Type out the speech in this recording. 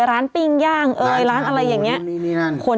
ร้านปิงย่างเอ่ยร้านอะไรอย่างเงี้ยนี่นี่นี่นี่นี่นี่นี่นี่นี่น่ะ